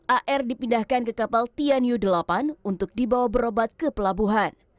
ar dipindahkan ke kapal tianyu delapan untuk dibawa berobat ke pelabuhan